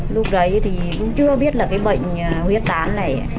lúc đấy thì cũng chưa biết là cái bệnh huyết tán này